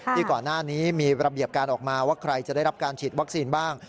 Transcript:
ที่ก่อนหน้านี้มีระเบียบการออกมาว่าใครจะได้รับการฉีดวัคซีนบ้าง